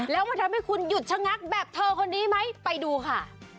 แล้วมันทำให้คุณหยุดชะงักแบบเธอคนนี้ไหมไปดูค่ะ